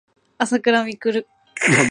あさくらみくる